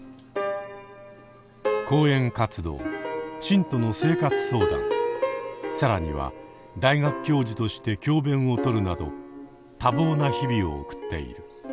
講演活動信徒の生活相談更には大学教授として教べんをとるなど多忙な日々を送っている。